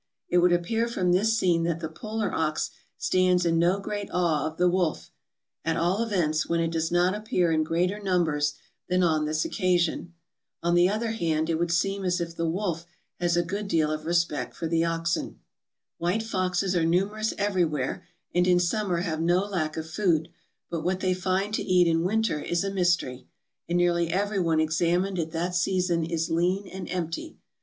It would appear from this scene that the polar ox stands in no great awe of the wolf; at all events, when it does not appear in greater numbers than on this occasion. On the other hand, it would seem as if the wolf has a good deal of respect for the oxen." White foxes are numerous everywhere and in summer have no lack of food, but what they find to eat in winter is a mystery, and nearly every one examined at that season is lean and empty.